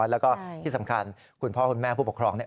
แล้วก็ที่สำคัญคุณพ่อคุณแม่ผู้ปกครอง